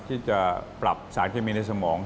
ที่จะปรับสารเคมีในสมอง